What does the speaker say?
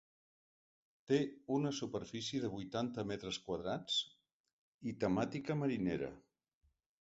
Té una superfície de vuitanta metres quadrats i temàtica marinera.